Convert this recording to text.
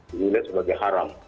ini ilat sebagai haram